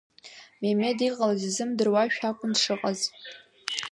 Мемед иҟалаз изымдыруашәа акәын дшыҟаз.